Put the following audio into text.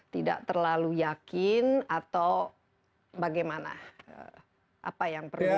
tidak terlalu yakin atau bagaimana apa yang perlu dilakukan